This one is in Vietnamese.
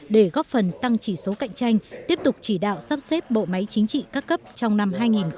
để góp phần tăng chỉ số cạnh tranh tiếp tục chỉ đạo sắp xếp bộ máy chính trị các cấp trong năm hai nghìn hai mươi